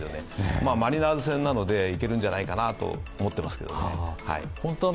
まあ、マリナーズ戦なのでいけるんじゃないかなと思ってますけどね。